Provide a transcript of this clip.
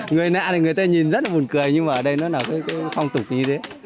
người nạ thì người ta nhìn rất là buồn cười nhưng mà ở đây nó nào cũng không tục như thế